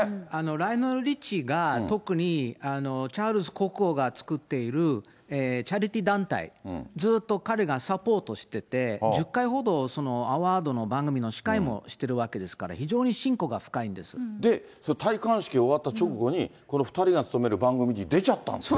ライオネル・リッチーが、特にチャールズ国王が作っているチャリティー団体、ずっと彼がサポートしてて、１０回ほどアワードの番組の司会もしてるわけですから、非常に親で、戴冠式終わった直後に、２人が務める番組に出ちゃったんですね。